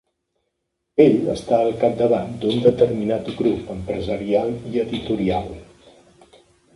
Ell està al capdavant d’un determinat grup empresarial i editorial.